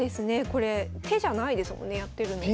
これ手じゃないですもんねやってるのね。